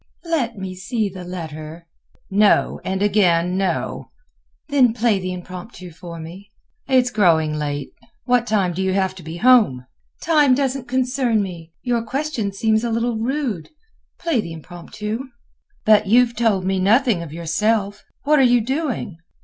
"Let me see the letter." "No, and again, no." "Then play the Impromptu for me." "It is growing late; what time do you have to be home?" "Time doesn't concern me. Your question seems a little rude. Play the Impromptu." "But you have told me nothing of yourself. What are you doing?"